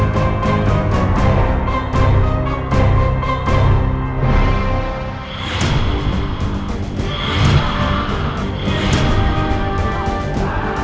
lihatlah dia berapa lama dituju ke trivatica